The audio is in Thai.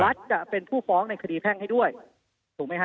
จะเป็นผู้ฟ้องในคดีแพ่งให้ด้วยถูกไหมฮ